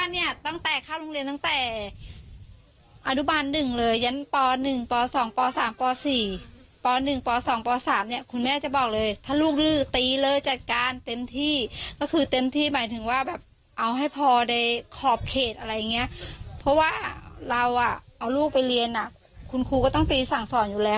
เอาลูกไปเรียนน่ะคุณครูก็ต้องตีสั่งสอนอยู่แล้ว